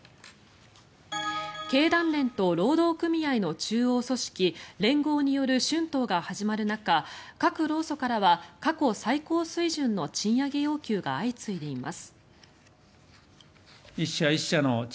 経団連と労働組合の中央組織連合による春闘が始まる中各労組からは過去最高水準の賃上げ要求が相次いでいます。